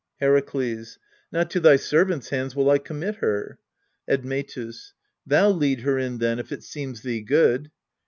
Herakles. Not to thy servants' hands will I commit her. Admetus. Thou lead her in then, if it seems thee good.